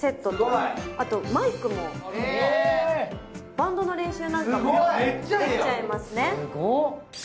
バンドの練習なんかもできちゃいますね。